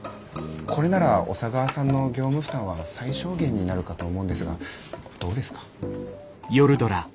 これなら小佐川さんの業務負担は最小限になるかと思うんですがどうですか？